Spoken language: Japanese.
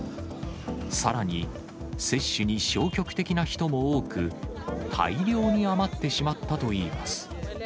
さらに接種に消極的な人も多く、大量に余ってしまったといいます。